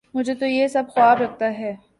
مجھے تو یہ سب خواب لگتا ہے